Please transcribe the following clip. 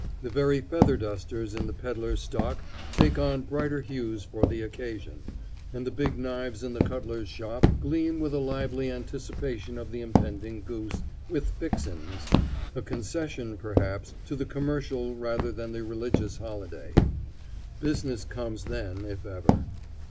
The very feather dusters in the peddler's stock take on brighter hues for the occasion, and the big knives in the cutler's shop gleam with a lively anticipation of the impending goose "with fixin's" a concession, perhaps, to the commercial rather than the religious holiday: business comes then, if ever.